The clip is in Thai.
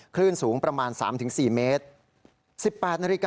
คลื่นสูงประมาณ๓๔เมตร